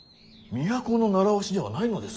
都の習わしではないのですか。